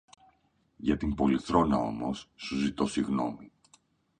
Για την πολυθρόνα όμως, σου ζητώ συγνώμη